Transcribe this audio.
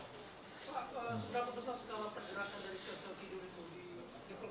seberapa besar skala penderakan dari sel sel tidur ini